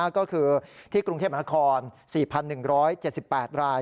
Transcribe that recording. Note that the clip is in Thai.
ก็คือที่กรุงเทพมนาคม๔๑๗๘ราย